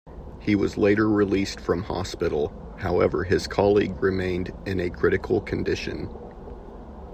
He was later released from hospital, however his colleague remained in a critical condition.